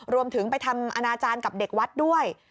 รวมถึงไปทำอนาจารย์กับเด็กวัดด้วย